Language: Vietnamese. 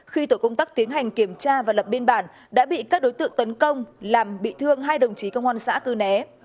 khi tổ công tác tiến hành kiểm tra và lập biên bản đã bị các đối tượng tấn công làm bị thương hai đồng chí công an xã cư né